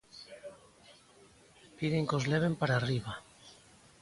Piden que os leven para arriba.